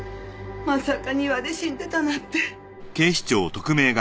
まさか庭で死んでたなんて。